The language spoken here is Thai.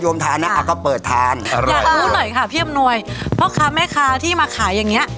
อย่างก๋วยเตี๋ยวน้ำตกเนี่ย